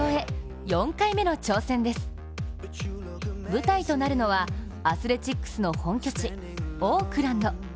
舞台となるのはアスレチックスの本拠地オークランド。